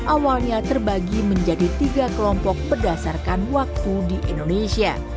awalnya terbagi menjadi tiga kelompok berdasarkan waktu di indonesia